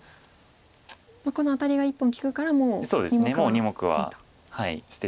このアタリが１本利くからもう２目はいいと。